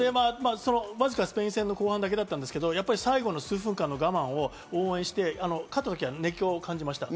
わずかスペイン戦の後半だけだったけど、最後の数分間の我慢を応援して、熱狂を感じました。